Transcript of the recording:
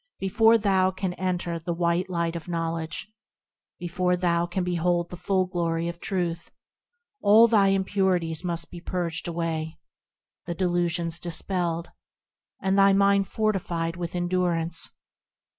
Before thou canst enter the white light of Knowledge, Before thou canst behold the full glory of Truth, All thy impurities must be purged away, The delusions dispelled, And thy mind fortified with endurance.